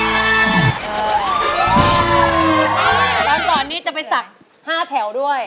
แล้วก่อนนี้จะไปศักดิ์๕แถวด้วย